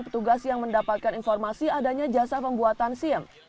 petugas yang mendapatkan informasi adanya jasa pembuatan sim